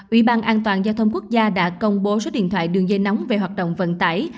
ủy ban an toàn giao thông quốc gia đã công bố số điện thoại đường dây nóng về hoạt động vận tải